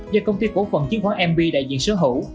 do công ty cổ phần chiếm khoá mv đại diện sở hữu